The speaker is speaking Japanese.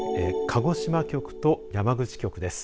鹿児島局と山口局です。